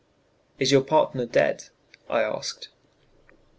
"Is your partner dead?" I asked.